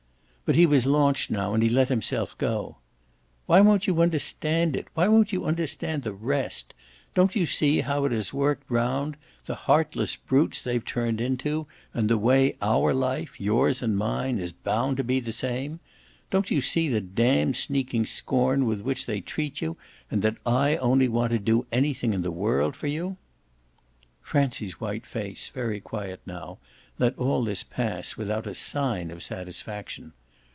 But he was launched now and he let himself go. "Why won't you understand it why won't you understand the rest? Don't you see how it has worked round the heartless brutes they've turned into, and the way OUR life, yours and mine, is bound to be the same? Don't you see the damned sneaking scorn with which they treat you and that I only want to do anything in the world for you?" Francie's white face, very quiet now, let all this pass without a sign of satisfaction.